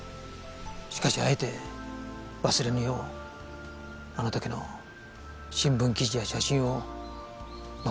しかしあえて忘れぬようあの時の新聞記事や写真を残されていた。